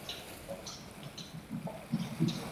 Lund and his wife, Lynn, are the parents of seven children.